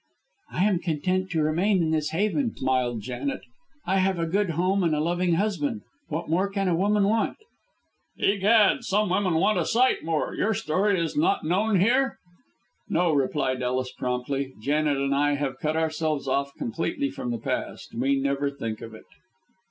"I am content to remain in this haven," smiled Janet. "I have a good home and a loving husband. What more can a woman want?" "Egad! some women want a sight more. Your story is not known here?" "No," replied Ellis, promptly. "Janet and I have cut ourselves off completely from the past. We never think of it."